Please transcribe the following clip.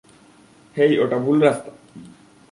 হেই, ওটা ভুল রাস্তা!